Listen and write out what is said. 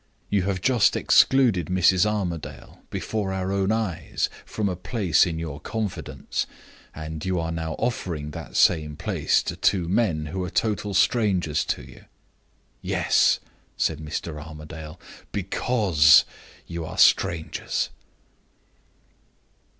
You have just excluded Mrs. Armadale, before our own eyes, from a place in your confidence. And you are now offering that same place to two men who are total strangers to you." "Yes," said Mr. Armadale, "because you are strangers."